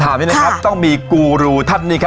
ชอบเลี้ยงหนูไอล่ะ